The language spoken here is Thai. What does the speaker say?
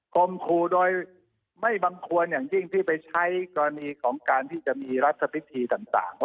คมครูโดยไม่บังควรอย่างยิ่งที่ไปใช้กรณีของการที่จะมีรัฐพิธีต่าง